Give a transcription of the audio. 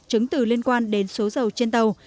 chứng từ liên quan đến số dầu trên tàu